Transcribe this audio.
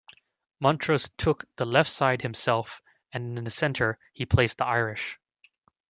Montrose took the left side himself, and in the centre he placed the Irish.